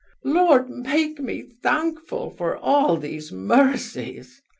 'Lord make me thankful for all these mercies!